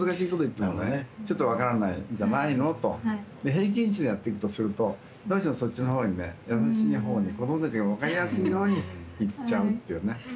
平均値でやってくとするとどうしてもそっちのほうにね易しいほうにこどもたちが分かりやすいようにいっちゃうっていうね。